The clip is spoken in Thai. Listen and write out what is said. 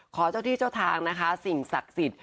ขอเจ้าที่เจ้าทางนะคะสิ่งศักดิ์สิทธิ์